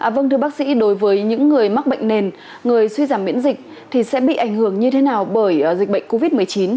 vâng thưa bác sĩ đối với những người mắc bệnh nền người suy giảm miễn dịch thì sẽ bị ảnh hưởng như thế nào bởi dịch bệnh covid một mươi chín